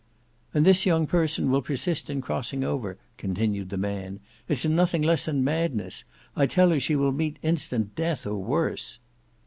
"And this young person will persist in crossing over," continued the man. "It's nothing less than madness. I tell her she will meet instant death or worse."